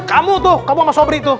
kamu tuh kamu sama sobri tuh